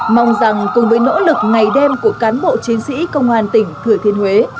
mong rằng cùng với nỗ lực ngày đêm của cán bộ chiến sĩ công an tỉnh thừa thiên huế